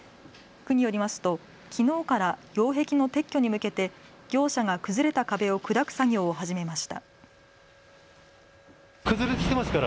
区によりますときのうから擁壁の撤去に向けて業者が崩れた壁を砕く作業を始めました。